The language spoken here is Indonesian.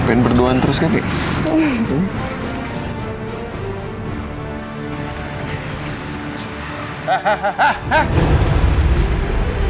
pengen berduaan terus kan ya